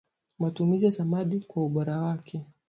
matumizi ya samadi kwa ubora wake